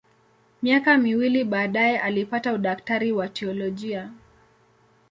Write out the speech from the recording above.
Miaka miwili baadaye alipata udaktari wa teolojia.